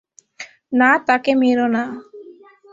না, তাকে মেরো না!